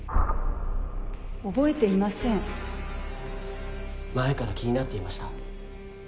覚えていません前から気になっていました。